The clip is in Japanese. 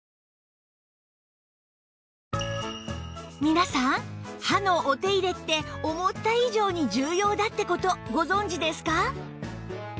皆さん歯のお手入れって思った以上に重要だって事ご存じですか？